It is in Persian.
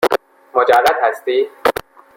مجرد هستی؟